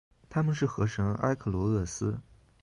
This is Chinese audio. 她们是河神埃克罗厄斯。